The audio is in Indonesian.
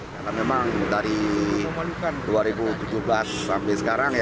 karena memang dari dua ribu tujuh belas sampai sekarang